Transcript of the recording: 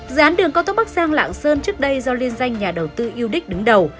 dự án đường cao tốc bắc giang lạng sơn trước đây do liên danh nhà đầu tư udic đứng đầu